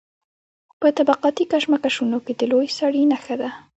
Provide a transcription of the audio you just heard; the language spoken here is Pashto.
په طبقاتي کشمکشونو کې د لوی سړي نښه ده.